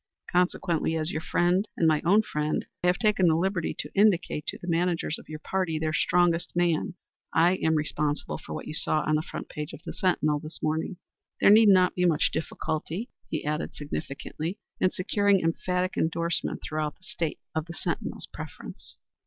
Consequently, as your friend and my own friend, I have taken the liberty to indicate to the managers of your party their strongest man. I am responsible for what you saw on the front page of the Sentinel this morning. There need not be much difficulty," he added, significantly, "in securing emphatic endorsement throughout the State of the Sentinel's preference."